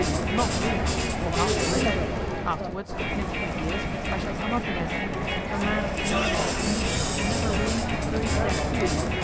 'Not ruined, not ruined. Afterwards, in a few years, I shall come up again. A man of genius like me is never ruined till he is dead.